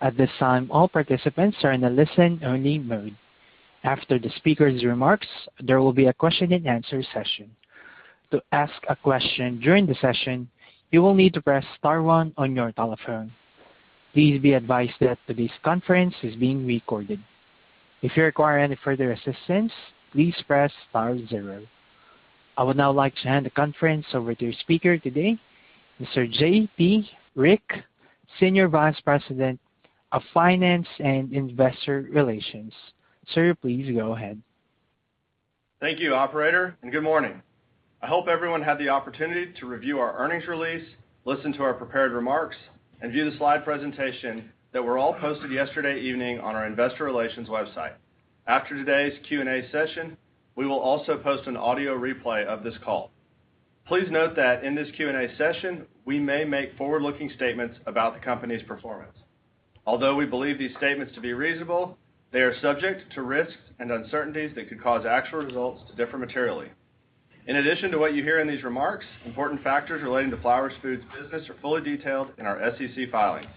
I would now like to hand the conference over to your speaker today, Mr. J.T. Rieck, Senior Vice President of Finance and Investor Relations. Sir, please go ahead. Thank you, operator, and good morning. I hope everyone had the opportunity to review our earnings release, listen to our prepared remarks, and view the slide presentation that were all posted yesterday evening on our investor relations website. After today's Q&A session, we will also post an audio replay of this call. Please note that in this Q&A session, we may make forward-looking statements about the company's performance. Although we believe these statements to be reasonable, they are subject to risks and uncertainties that could cause actual results to differ materially. In addition to what you hear in these remarks, important factors relating to Flowers Foods business are fully detailed in our SEC filings.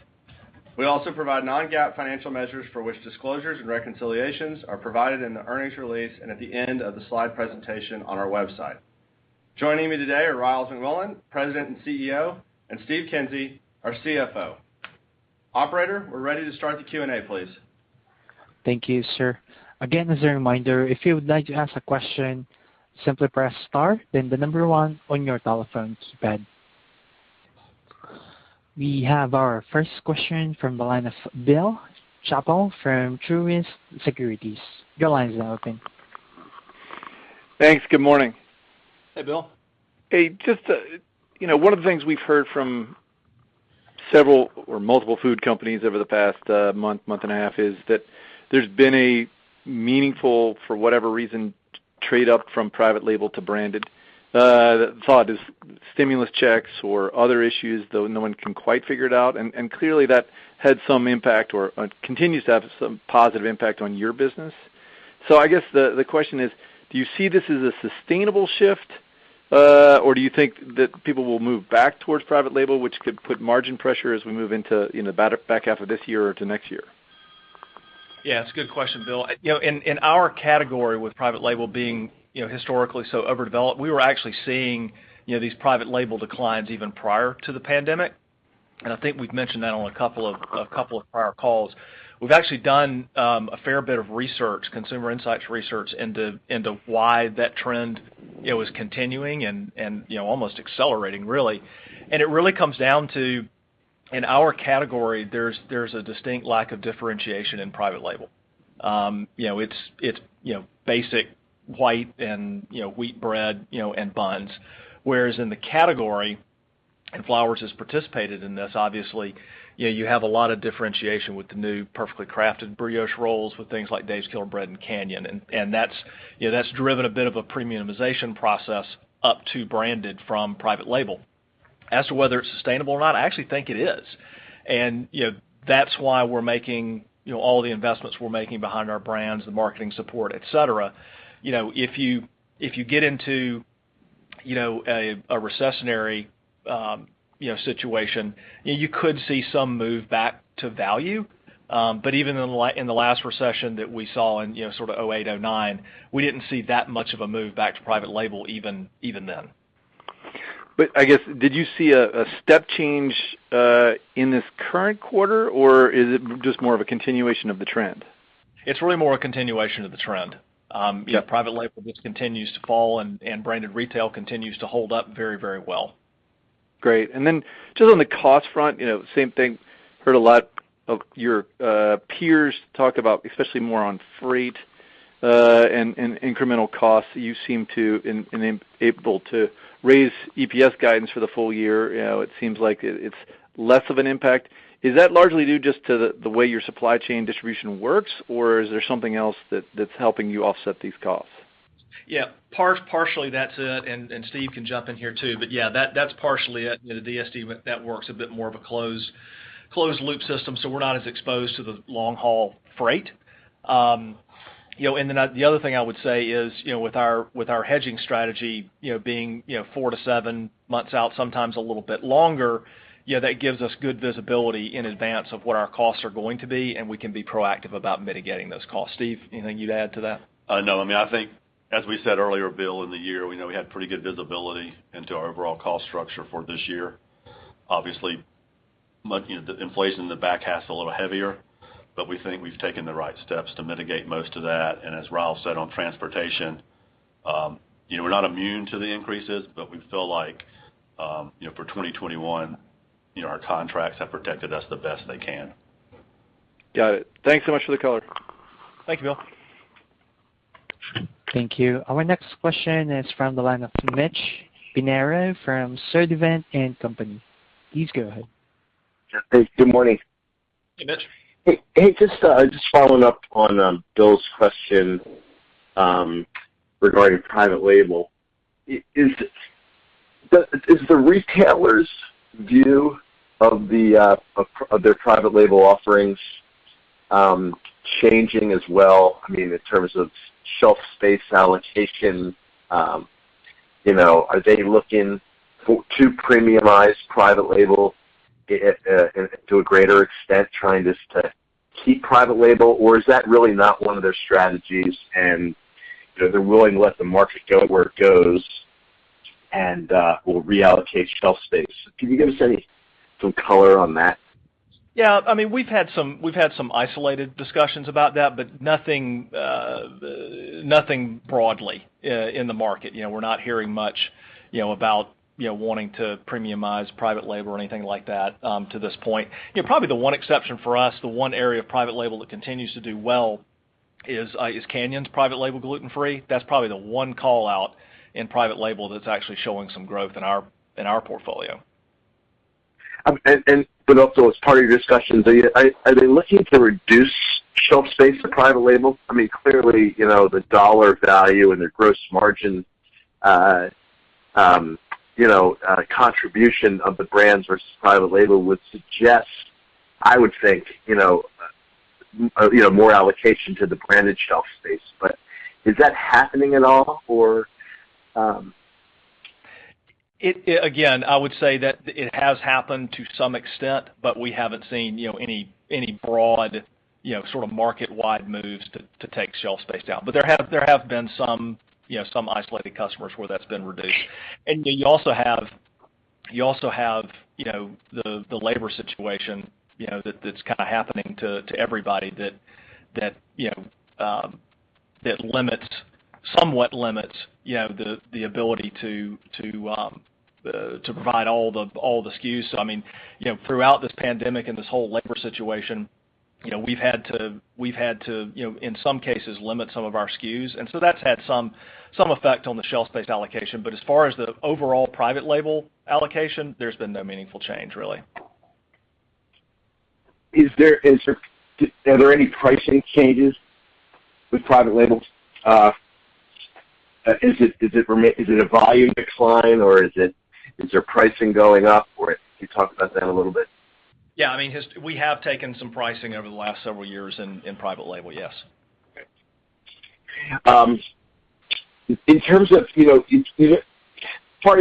We also provide non-GAAP financial measures for which disclosures and reconciliations are provided in the earnings release and at the end of the slide presentation on our website. Joining me today are Ryals McMullian, President and CEO, and Steve Kinsey, our CFO. Operator, we're ready to start the Q&A, please. Thank you, sir. Again, as a reminder, if you would like to ask a question, simply press star then the number one on your telephone keypad. We have our first question from the line of Bill Chappell from Truist Securities. Your line is open. Thanks. Good morning. Hey, Bill. Hey, one of the things we've heard from several or multiple food companies over the past month and a half is that there's been a meaningful, for whatever reason, trade-up from private label to branded. The thought is stimulus checks or other issues, though no one can quite figure it out. Clearly, that had some impact or continues to have some positive impact on your business. I guess the question is, do you see this as a sustainable shift? Or do you think that people will move back towards private label, which could put margin pressure as we move into the back half of this year or to next year? Yeah, it's a good question, Bill. In our category with private label being historically so overdeveloped, we were actually seeing these private label declines even prior to the pandemic. I think we've mentioned that on a couple of prior calls. We've actually done a fair bit of research, consumer insights research into why that trend was continuing and almost accelerating, really. It really comes down to, in our category, there's a distinct lack of differentiation in private label. It's basic white and wheat bread and buns. Whereas in the category, and Flowers has participated in this, obviously, you have a lot of differentiation with the new Perfectly Crafted Brioche Rolls with things like Dave's Killer Bread and Canyon. That's driven a bit of a premiumization process up to branded from private label. As to whether it's sustainable or not, I actually think it is. That's why we're making all the investments we're making behind our brands, the marketing support, et cetera. If you get into a recessionary situation, you could see some move back to value. Even in the last recession that we saw in sort of 2008, 2009, we didn't see that much of a move back to private label even then. I guess, did you see a step change in this current quarter, or is it just more of a continuation of the trend? It's really more a continuation of the trend. Yeah. Private label just continues to fall and branded retail continues to hold up very well. Great. Just on the cost front, same thing. Heard a lot of your peers talk about, especially more on freight and incremental costs. You seem to able to raise EPS guidance for the full year. It seems like it's less of an impact. Is that largely due just to the way your supply chain distribution works or is there something else that's helping you offset these costs? Yeah. Partially that's it, Steve can jump in here, too. Yeah, that's partially it. The DSD networks a bit more of a closed loop system, we're not as exposed to the long-haul freight. The other thing I would say is with our hedging strategy being four to seven months out, sometimes a little bit longer, that gives us good visibility in advance of what our costs are going to be, we can be proactive about mitigating those costs. Steve, anything you'd add to that? No. I think as we said earlier, Bill, in the year, we know we had pretty good visibility into our overall cost structure for this year. Obviously, the inflation in the back half is a little heavier, but we think we've taken the right steps to mitigate most of that. As Ryals said on transportation, we're not immune to the increases, but we feel like for 2021, our contracts have protected us the best they can. Got it. Thanks so much for the color. Thank you, Bill. Thank you. Our next question is from the line of Mitch Pinheiro from Sturdivant & Company. Please go ahead. Hey, good morning. Hey, Mitch. Hey, just following up on Bill's question regarding private label. Is the retailer's view of their private label offerings changing as well, in terms of shelf space allocation? Are they looking to premiumize private label to a greater extent, trying just to keep private label? Is that really not one of their strategies, and they're willing to let the market go where it goes and will reallocate shelf space? Can you give us some color on that? Yeah. We've had some isolated discussions about that, but nothing broadly in the market. We're not hearing much about wanting to premiumize private label or anything like that to this point. Probably the one exception for us, the one area of private label that continues to do well is Canyon's private label gluten-free. That's probably the one call-out in private label that's actually showing some growth in our portfolio. Also, as part of your discussion, are they looking to reduce shelf space for private label? Clearly, the dollar value and the gross margin contribution of the brands versus private label would suggest, I would think, more allocation to the branded shelf space. Is that happening at all, or? I would say that it has happened to some extent, we haven't seen any broad sort of market-wide moves to take shelf space down. There have been some isolated customers where that's been reduced. Then you also have the labor situation that's kind of happening to everybody that somewhat limits the ability to provide all the SKUs. Throughout this pandemic and this whole labor situation, we've had to, in some cases, limit some of our SKUs. So that's had some effect on the shelf space allocation. As far as the overall private label allocation, there's been no meaningful change, really. Are there any pricing changes with private labels? Is it a volume decline, or is their pricing going up? Can you talk about that a little bit? Yeah. We have taken some pricing over the last several years in private label, yes. Okay. In terms of Part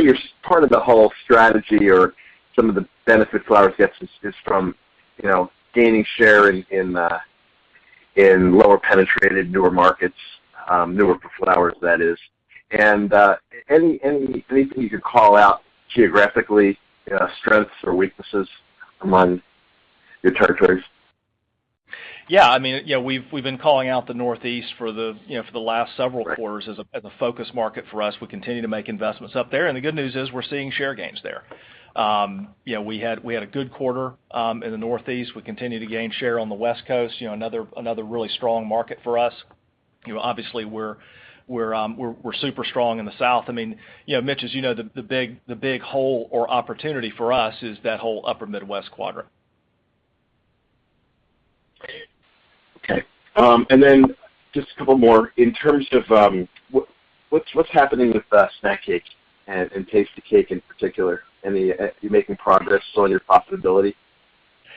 of the whole strategy or some of the benefit Flowers gets is from gaining share in lower penetrated newer markets, newer for Flowers, that is. Anything you could call out geographically, strengths or weaknesses among your territories? We've been calling out the Northeast for the last several quarters as a focus market for us. We continue to make investments up there, and the good news is we're seeing share gains there. We had a good quarter in the Northeast. We continue to gain share on the West Coast, another really strong market for us. Obviously, we're super strong in the South. Mitch, as you know, the big hole or opportunity for us is that whole Upper Midwest quadrant. Okay. Just a couple more. In terms of what's happening with snack cake and Tastykake in particular? Are you making progress on your profitability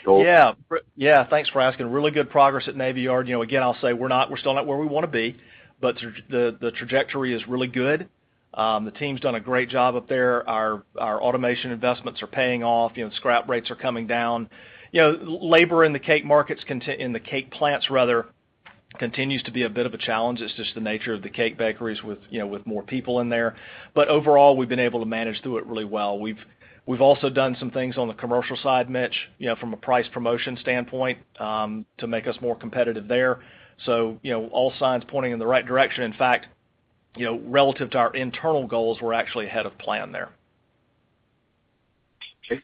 goals? Yeah. Thanks for asking. Really good progress at Navy Yard. Again, I'll say we're still not where we want to be, but the trajectory is really good. The team's done a great job up there. Our automation investments are paying off. Scrap rates are coming down. Labor in the cake markets, in the cake plants rather, continues to be a bit of a challenge. It's just the nature of the cake bakeries with more people in there. Overall, we've been able to manage through it really well. We've also done some things on the commercial side, Mitch, from a price promotion standpoint to make us more competitive there. All signs pointing in the right direction. In fact, relative to our internal goals, we're actually ahead of plan there. Okay.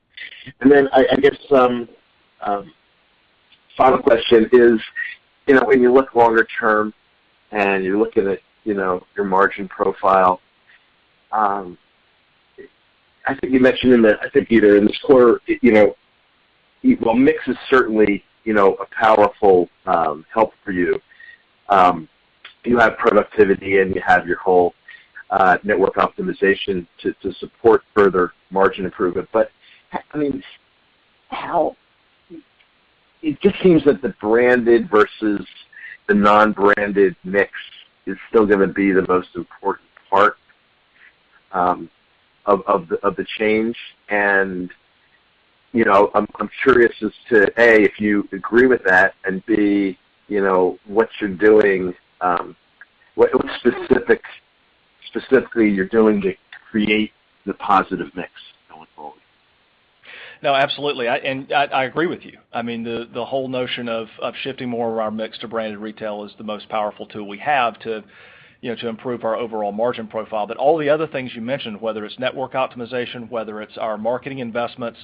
I guess final question is when you look longer term and you're looking at your margin profile, I think you mentioned in the, I think either in this quarter, while mix is certainly a powerful help for you have productivity and you have your whole network optimization to support further margin improvement. It just seems that the branded versus the non-branded mix is still going to be the most important part of the change. I'm curious as to, A, if you agree with that, and B, what specifically you're doing to create the positive mix going forward. No, absolutely. I agree with you. The whole notion of shifting more of our mix to branded retail is the most powerful tool we have to improve our overall margin profile. All the other things you mentioned, whether it's network optimization, whether it's our marketing investments,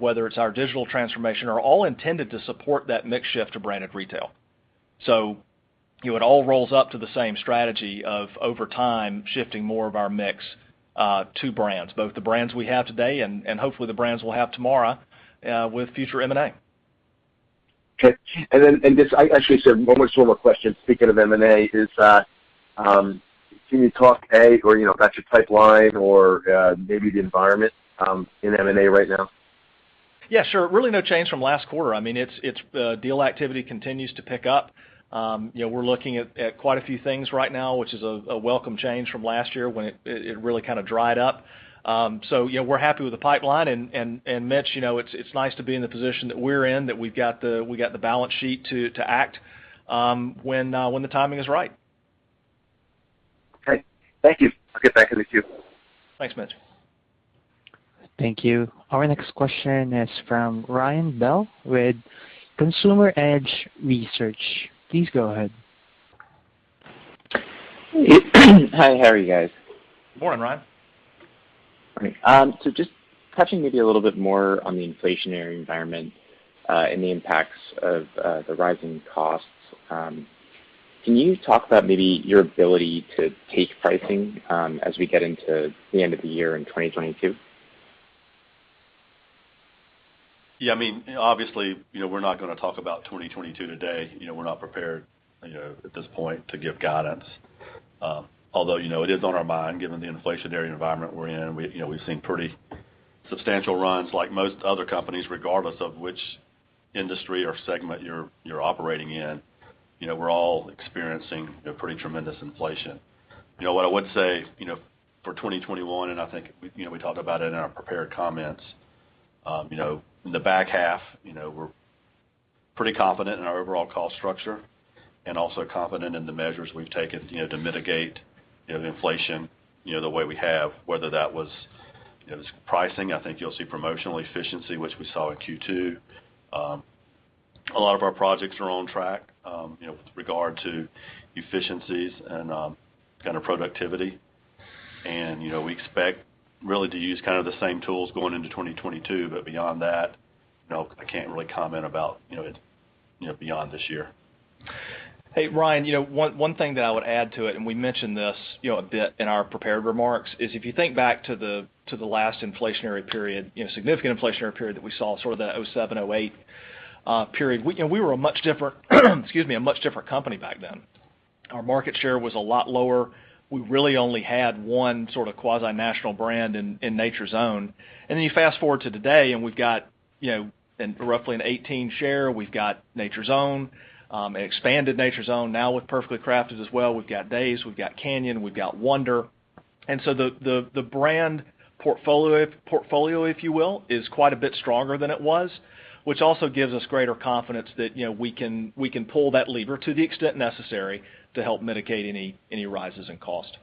whether it's our digital transformation, are all intended to support that mix shift to branded retail. It all rolls up to the same strategy of, over time, shifting more of our mix to brands, both the brands we have today and hopefully the brands we'll have tomorrow with future M&A. Okay. I guess actually, sir, one more question, speaking of M&A is. Can you talk, A, about your pipeline or maybe the environment in M&A right now? Yeah, sure. Really no change from last quarter. Deal activity continues to pick up. We're looking at quite a few things right now, which is a welcome change from last year when it really kind of dried up. We're happy with the pipeline, and Mitch, it's nice to be in the position that we're in, that we've got the balance sheet to act when the timing is right. Okay. Thank you. I'll get back in the queue. Thanks, Mitchell. Thank you. Our next question is from Ryan Bell with Consumer Edge Research. Please go ahead. Hi. How are you guys? Morning, Ryan. Morning. Just touching maybe a little bit more on the inflationary environment and the impacts of the rising costs, can you talk about maybe your ability to take pricing as we get into the end of the year in 2022? Yeah. Obviously, we're not going to talk about 2022 today. We're not prepared, at this point, to give guidance. It is on our mind given the inflationary environment we're in. We've seen pretty substantial runs like most other companies, regardless of which industry or segment you're operating in. We're all experiencing pretty tremendous inflation. What I would say, for 2021, I think we talked about it in our prepared comments. In the back half, we're pretty confident in our overall cost structure and also confident in the measures we've taken to mitigate inflation the way we have, whether that was pricing, I think you'll see promotional efficiency, which we saw in Q2. A lot of our projects are on track with regard to efficiencies and productivity. We expect really to use the same tools going into 2022, but beyond that, I can't really comment about beyond this year. Hey, Ryan, one thing that I would add to it, We mentioned this a bit in our prepared remarks, is if you think back to the last inflationary period, significant inflationary period that we saw, sort of the 2007, 2008 period, we were a much different company back then. Our market share was a lot lower. We really only had one sort of quasi-national brand in Nature's Own. You fast-forward to today, We've got roughly an 18 share, We've got Nature's Own, expanded Nature's Own now with Perfectly Crafted as well. We've got Dave's, we've got Canyon, we've got Wonder. The brand portfolio, if you will, is quite a bit stronger than it was, which also gives us greater confidence that we can pull that lever to the extent necessary to help mitigate any rises in cost.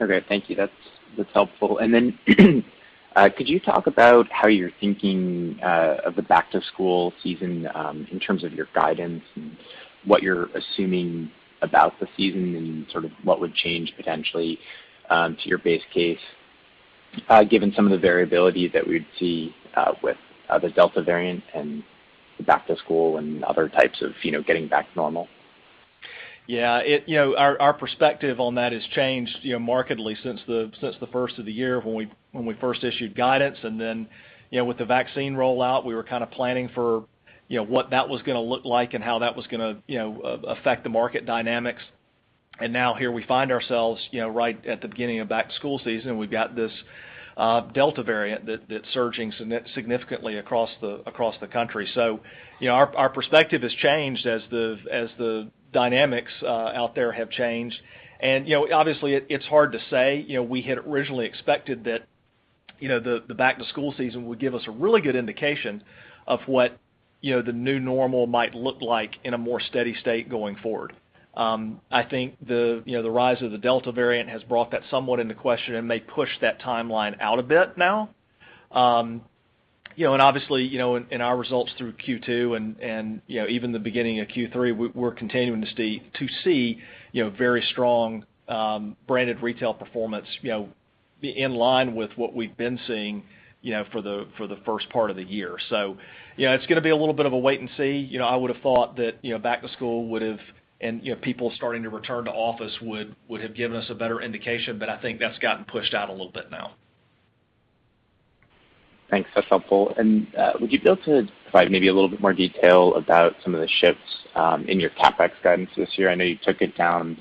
Okay, thank you. That's helpful. Could you talk about how you're thinking of the back-to-school season, in terms of your guidance and what you're assuming about the season and sort of what would change potentially to your base case, given some of the variability that we'd see with the Delta variant and the back to school and other types of getting back to normal? Yeah. Our perspective on that has changed markedly since the first of the year when we first issued guidance, then, with the vaccine rollout, we were kind of planning for what that was going to look like and how that was going to affect the market dynamics. Now here we find ourselves right at the beginning of back-to-school season, we've got this Delta variant that's surging significantly across the country. Our perspective has changed as the dynamics out there have changed. Obviously, it's hard to say. We had originally expected that the back-to-school season would give us a really good indication of what the new normal might look like in a more steady state going forward. I think the rise of the Delta variant has brought that somewhat into question and may push that timeline out a bit now. Obviously, in our results through Q2 and even the beginning of Q3, we're continuing to see very strong branded retail performance in line with what we've been seeing for the first part of the year. Yeah, it's going to be a little bit of a wait and see. I would've thought that back to school and people starting to return to office would have given us a better indication, but I think that's gotten pushed out a little bit now. Thanks. That's helpful. Would you be able to provide maybe a little bit more detail about some of the shifts in your CapEx guidance this year? I know you took it down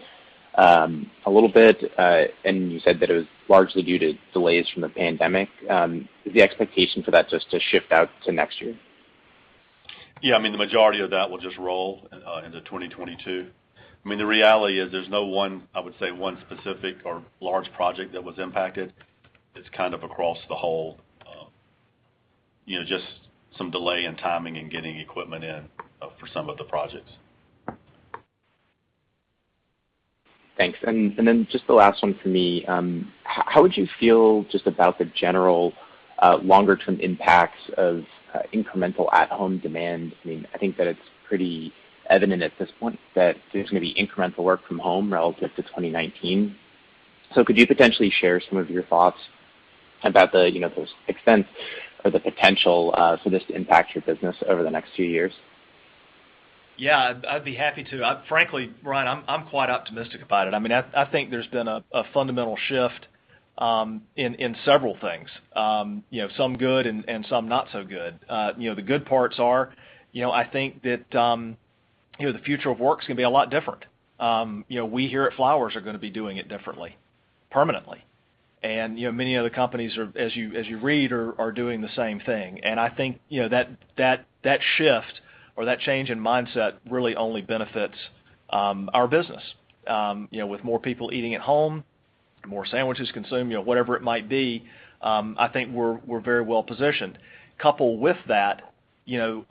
a little bit, and you said that it was largely due to delays from the pandemic. Is the expectation for that just to shift out to next year? Yeah, the majority of that will just roll into 2022. The reality is there's no one, I would say one specific or large project that was impacted. It's kind of across the whole just some delay in timing in getting equipment in for some of the projects. Thanks. Just the last one from me. How would you feel just about the general longer-term impacts of incremental at-home demand? I think that it's pretty evident at this point that there's going to be incremental work from home relative to 2019. Could you potentially share some of your thoughts about the extent or the potential for this to impact your business over the next few years? Yeah. I'd be happy to. Frankly, Ryan, I'm quite optimistic about it. I think there's been a fundamental shift in several things. Some good and some not so good. The good parts are, I think that the future of work is going to be a lot different. We here at Flowers are going to be doing it differently, permanently. Many other companies, as you read, are doing the same thing. I think that shift or that change in mindset really only benefits our business. With more people eating at home, more sandwiches consumed, whatever it might be, I think we're very well-positioned. Coupled with that,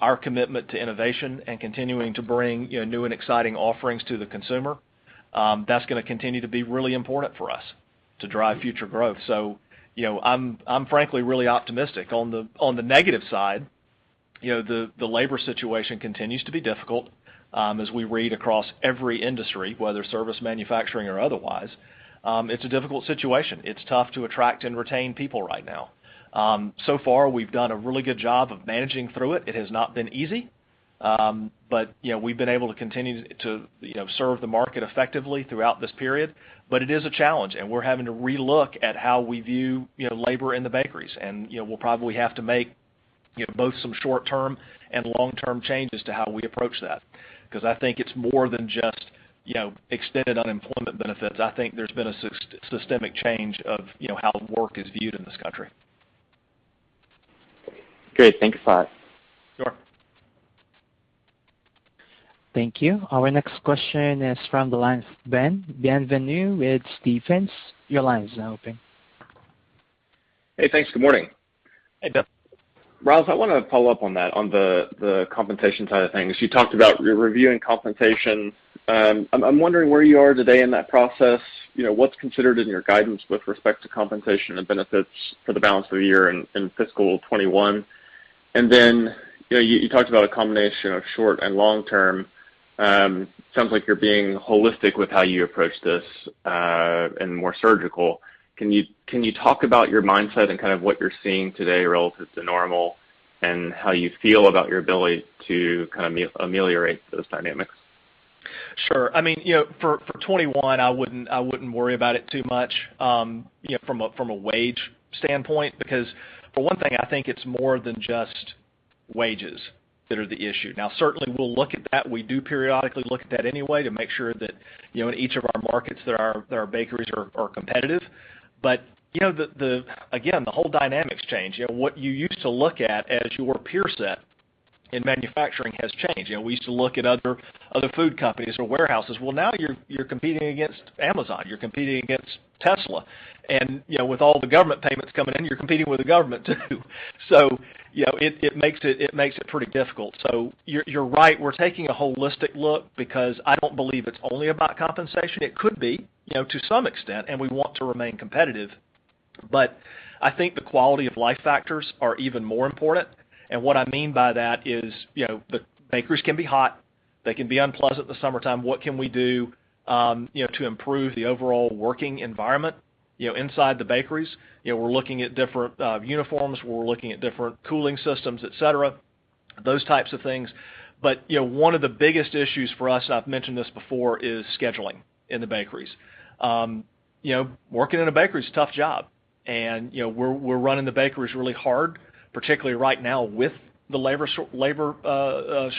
our commitment to innovation and continuing to bring new and exciting offerings to the consumer, that's going to continue to be really important for us to drive future growth. I'm frankly really optimistic. On the negative side, the labor situation continues to be difficult, as we read across every industry, whether service, manufacturing, or otherwise. It's a difficult situation. It's tough to attract and retain people right now. So far, we've done a really good job of managing through it. It has not been easy. We've been able to continue to serve the market effectively throughout this period. It is a challenge, and we're having to re-look at how we view labor in the bakeries. We'll probably have to make both some short-term and long-term changes to how we approach that. Because I think it's more than just extended unemployment benefits. I think there's been a systemic change of how work is viewed in this country. Great. Thanks a lot. Sure. Thank you. Our next question is from the line of Ben Bienvenu with Stephens, your line is now open. Hey, thanks. Good morning. Hey, Ben. Ryals, I want to follow up on that, on the compensation side of things. You talked about reviewing compensation. I'm wondering where you are today in that process. What's considered in your guidance with respect to compensation and benefits for the balance of the year in fiscal 2021? You talked about a combination of short and long term. Sounds like you're being holistic with how you approach this, and more surgical. Can you talk about your mindset and kind of what you're seeing today relative to normal, and how you feel about your ability to kind of ameliorate those dynamics? Sure. For 2021, I wouldn't worry about it too much from a wage standpoint, because for one thing, I think it's more than just wages that are the issue. Certainly we'll look at that. We do periodically look at that anyway to make sure that in each of our markets, that our bakeries are competitive. Again, the whole dynamic's changed. What you used to look at as your peer set in manufacturing has changed. We used to look at other food companies or warehouses. Well, now you're competing against Amazon, you're competing against Tesla. With all the government payments coming in, you're competing with the government, too. It makes it pretty difficult. You're right, we're taking a holistic look because I don't believe it's only about compensation. It could be, to some extent, and we want to remain competitive. I think the quality of life factors are even more important. What I mean by that is, the bakeries can be hot, they can be unpleasant in the summertime. What can we do to improve the overall working environment inside the bakeries? We're looking at different uniforms. We're looking at different cooling systems, et cetera, those types of things. One of the biggest issues for us, and I've mentioned this before, is scheduling in the bakeries. Working in a bakery is a tough job. We're running the bakeries really hard, particularly right now with the labor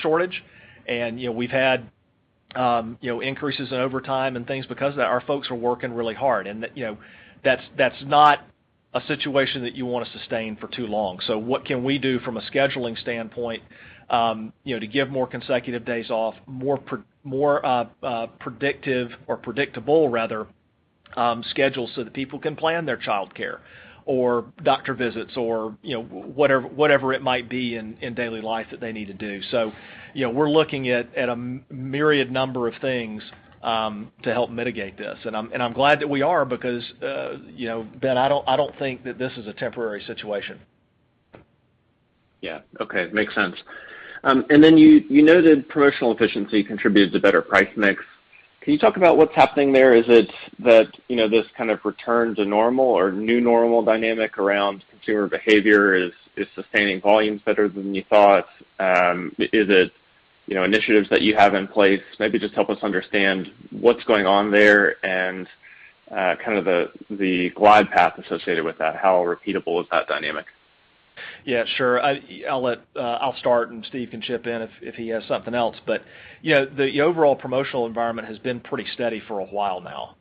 shortage. We've had increases in overtime and things because of that. Our folks are working really hard. That's not a situation that you want to sustain for too long. What can we do from a scheduling standpoint to give more consecutive days off, more predictive, or predictable rather, schedules so that people can plan their childcare, or doctor visits or whatever it might be in daily life that they need to do. We're looking at a myriad number of things to help mitigate this. I'm glad that we are because, Ben, I don't think that this is a temporary situation. Yeah. Okay. Makes sense. You noted promotional efficiency contributes to better price mix. Can you talk about what's happening there? Is it that this kind of return to normal or new normal dynamic around consumer behavior is sustaining volumes better than you thought? Is it initiatives that you have in place? Maybe just help us understand what's going on there and kind of the glide path associated with that. How repeatable is that dynamic? Yeah, sure. I'll start, and Steve can chip in if he has something else. The overall promotional environment has been pretty steady for a while now.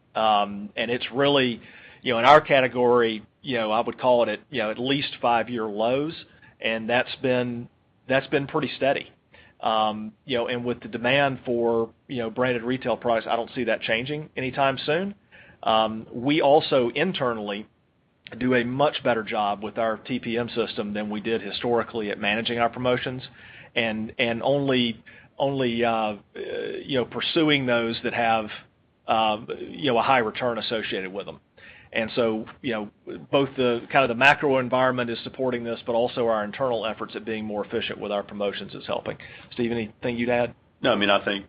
It's really, in our category, I would call it at least five-year lows, and that's been pretty steady. With the demand for branded retail price, I don't see that changing anytime soon. We also internally do a much better job with our TPM system than we did historically at managing our promotions and only pursuing those that have a high return associated with them. Both the macro environment is supporting this, but also our internal efforts at being more efficient with our promotions is helping. Steve, anything you'd add? No, I think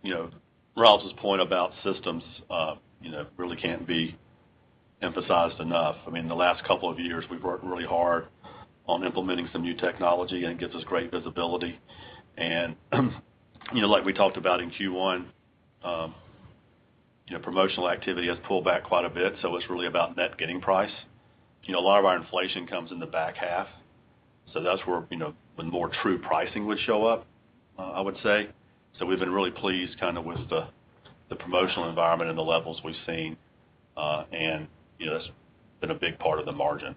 Ryals's point about systems really can't be emphasized enough. The last couple of years, we've worked really hard on implementing some new technology, and it gives us great visibility. Like we talked about in Q1, promotional activity has pulled back quite a bit, so it's really about net getting price. A lot of our inflation comes in the back half, so that's where the more true pricing would show up, I would say. We've been really pleased with the promotional environment and the levels we've seen. That's been a big part of the margin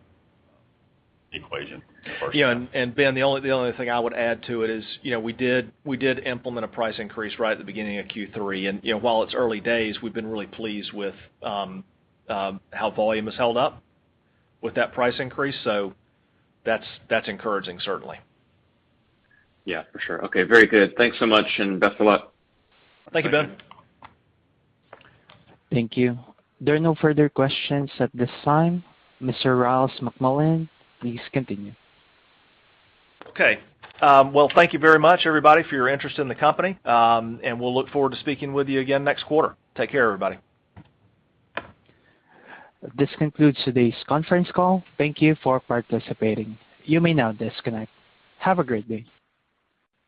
equation in the first half. Yeah. Ben, the only thing I would add to it is, we did implement a price increase right at the beginning of Q3. While it's early days, we've been really pleased with how volume has held up with that price increase. That's encouraging, certainly. Yeah, for sure. Okay, very good. Thanks so much, and best of luck. Thank you, Ben. Thank you. There are no further questions at this time. Mr. Ryals McMullian, please continue. Okay. Well, thank you very much, everybody, for your interest in the company. We'll look forward to speaking with you again next quarter. Take care, everybody. This concludes today's conference call. Thank you for participating. You may now disconnect. Have a great day.